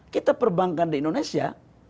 kita perbankan di indonesia